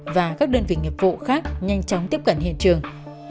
và các đơn vị nghiệp vụ khác nhanh chóng tiếp cận hiện trường